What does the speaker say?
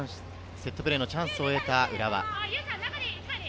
セットプレーのチャンスを得た浦和。